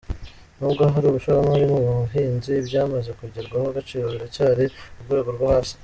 Nubwo hari ubushoramari mu buhinzi, ibyamaze kongererwa agaciro biracyari ku rwego rwo hasi.